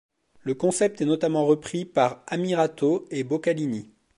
Le concept est notamment repris par Ammirato et Boccalini.